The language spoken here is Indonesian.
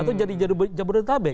atau jadi jabodetabek